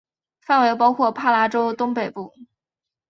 范围包括帕拉州东北部。